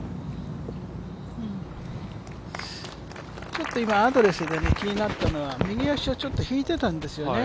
ちょっと今、アドレスで気になったのは、右足を引いてたんですよね。